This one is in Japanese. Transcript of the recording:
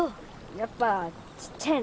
やっぱちっちゃいな。